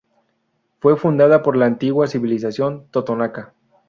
Fue fundada por la antigua civilización Totonaca.